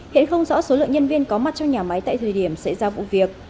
hiện không rõ số lượng nhân viên có mặt trong nhà máy tại thời điểm xảy ra vụ việc